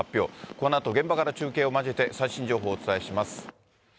このあと現場から中継を交えて、最新情報をお伝えします。